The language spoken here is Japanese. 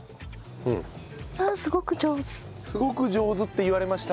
「すごく上手」って言われました。